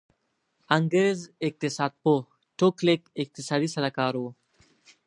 انګرېز اقتصاد پوه ټو کلیک اقتصادي سلاکار و.